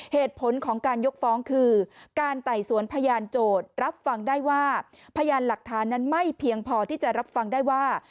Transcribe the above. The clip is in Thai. เหตุผลของการยกฟ้องคือการไต่สวนพยานโจทย์รับฟังได้ว่าพยานหลักฐานนั้นไม่เพียงพอที่จะรับฟังได้ว่า